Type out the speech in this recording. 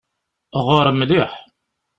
Ɣeṛ mliḥ.